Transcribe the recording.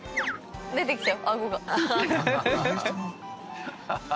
出てきちゃうあごが。